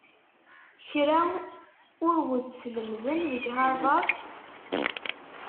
Kra ur wen-t-sslemden deg Havard?